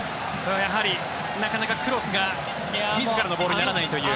なかなかクロスが自らのボールにならないという。